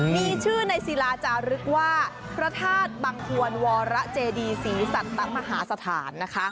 มีชื่อในศิลาจารึกว่าพระธาตุบังควรวรเจดีศรีสัตมหาสถานนะคะ